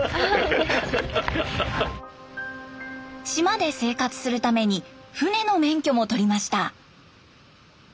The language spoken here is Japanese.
島で生活するために船の免許も取りました。